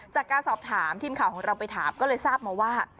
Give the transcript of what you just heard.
จากการสอบถามทีมข่าวของเราไปถามก็เลยทราบมาว่า